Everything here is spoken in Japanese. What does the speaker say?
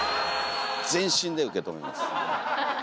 全身で受け止めます。